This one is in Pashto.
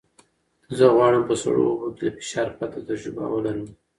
زه غواړم په سړو اوبو کې له فشار پرته تجربه ولرم.